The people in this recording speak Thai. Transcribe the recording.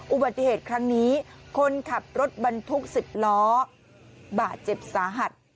อุบัติเหตุครั้งนี้คนขับรถบรรทุก๑๐ล้อบาดเจ็บสาหัส